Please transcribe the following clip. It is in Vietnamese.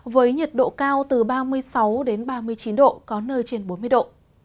với nhiệt độ cao từ ba mươi sáu ba mươi chín độ có nơi trên bốn mươi độ